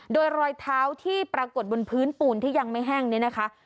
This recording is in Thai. โดยรอยเท้าที่ปรากฏบนพื้นปูนที่ยังไม่แห้งเนี่ยนะคะ